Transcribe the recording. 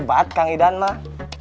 hebat kang idan lah